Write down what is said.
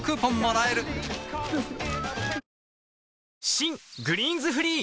新「グリーンズフリー」